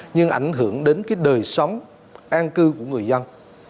nhưng ảnh hưởng đến cái đời sống an cư của người dân